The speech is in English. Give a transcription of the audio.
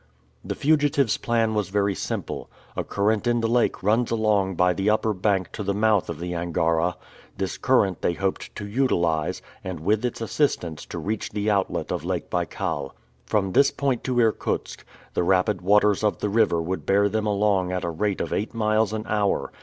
The fugitives' plan was very simple. A current in the lake runs along by the upper bank to the mouth of the Angara; this current they hoped to utilize, and with its assistance to reach the outlet of Lake Baikal. From this point to Irkutsk, the rapid waters of the river would bear them along at a rate of eight miles an hour.